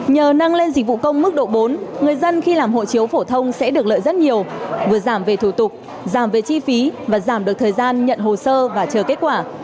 nhờ nâng lên dịch vụ công mức độ bốn người dân khi làm hộ chiếu phổ thông sẽ được lợi rất nhiều vừa giảm về thủ tục giảm về chi phí và giảm được thời gian nhận hồ sơ và chờ kết quả